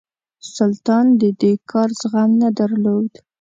سلطان د دې کار زغم نه درلود.